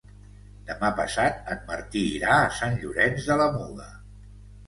Demà passat en Martí irà a Sant Llorenç de la Muga.